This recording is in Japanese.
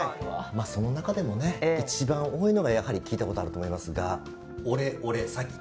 その中でもね一番多いのが聞いたことあると思いますがオレオレ詐欺。